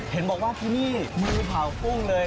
เห็นบอกว่าที่นี่มีเผากุ้งเลย